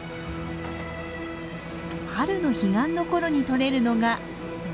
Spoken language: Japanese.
春の彼岸の頃に取れるのがブリ。